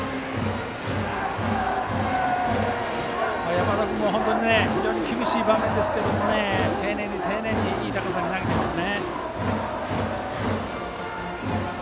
山田君も本当に厳しい場面ですが丁寧に丁寧にいい高さに投げています。